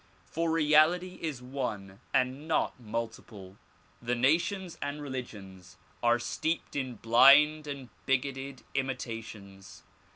For reality is one and not multiple. The nations and religions are steeped in blind and bigoted imita tions.